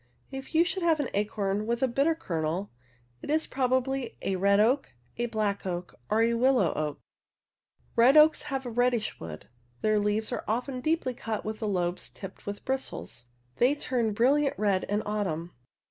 If you should have an acorn with a bitter kernel, it is probably a red oak, a black oak or a willow oak. Red oaks have reddish wood. Their leaves are often deeply cut with the lobes tipped with bristles; they turn brilliant red in autumn.